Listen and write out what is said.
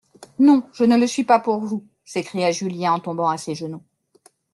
Non, je ne le suis pas pour vous, s'écria Julien en tombant à ses genoux.